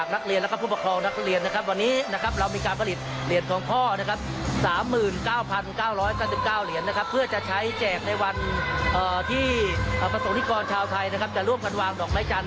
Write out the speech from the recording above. ในวันที่ประสงค์ธิกรชาวไทยจะร่วมกันวางดอกไม้จันทร์